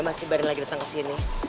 masih bareng lagi datang kesini